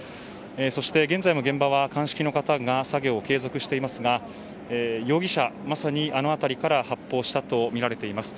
そして現在も現場は、鑑識の方が作業を継続していますが容疑者、まさにあの辺りから発砲したとみられます。